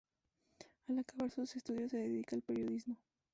Al acabar sus estudios se dedica al periodismo.